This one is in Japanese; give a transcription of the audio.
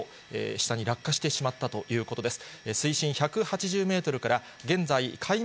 下に落下してしまったということです。